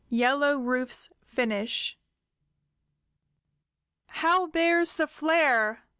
YELLOW RUFE'S FINISH. "How bears the flare?"